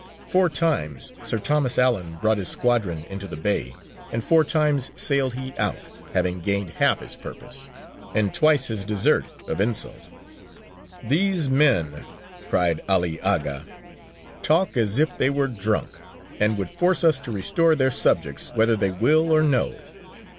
Four times Sir Thomas Allen brought his squadron into the bay, and four times sailed he out, having gained half his purpose, and twice his desert of insult: "These men," cried 'Ali Aga, "talk as if they were drunk, and would force us to restore their subjects whether they will or no!